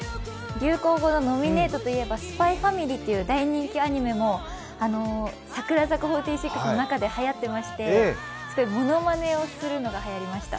流行語のノミネートといえば「ＳＰＹ×ＦＡＭＩＬＹ」という大人気アニメも櫻坂４６の中ではやっていましてものまねをするのがはやりました。